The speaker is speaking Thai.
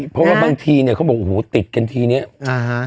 เพราะว่าบางทีเนี่ยเขาบอกโอ้โหติดกันทีเนี้ยอ่าฮะ